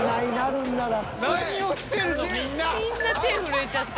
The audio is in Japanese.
［みんな手震えちゃって。